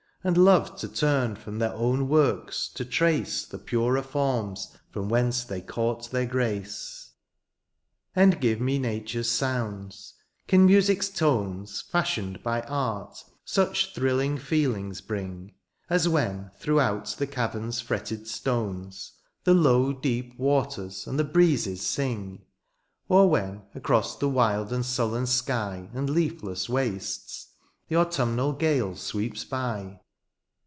And loved to turn from their own works to trace The purer forms from whence they caught their grace; And give me nature's sounds ;— can music's tones^ Fashioned by art, such thrilling feelings bring. As when, throughout the cavern's fretted stones. The low, deep waters, and the breezes sing ; Or when, across the wild and sullen sky And leafless wastes, the autumnal gale sweeps by.